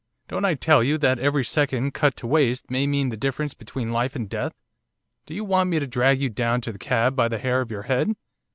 Don't I tell you that every second cut to waste may mean the difference between life and death? Do you want me to drag you down to the cab by the hair of your head?